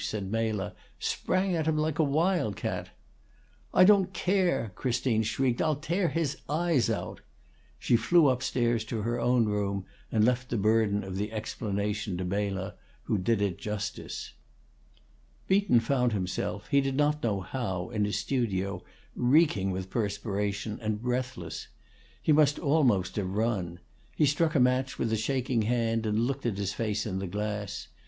said Mela, "Sprang at him like a wild cat!" "I don't care," Christine shrieked. "I'll tear his eyes out!" She flew up stairs to her own room, and left the burden of the explanation to Mela, who did it justice. Beaton found himself, he did not know how, in his studio, reeking with perspiration and breathless. He must almost have run. He struck a match with a shaking hand, and looked at his face in the glass.